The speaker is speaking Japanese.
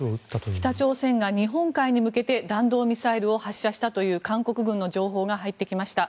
北朝鮮が日本海に向けて弾道ミサイルを発射したという韓国軍の情報が入ってきました。